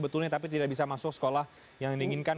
betulnya tapi tidak bisa masuk sekolah yang diinginkan